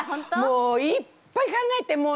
もういっぱい考えてもうね